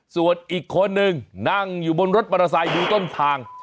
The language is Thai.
ส่วนอีกคนนึงนั่งอยู่บนรถมอเตอร์ไซค์อยู่ต้นทาง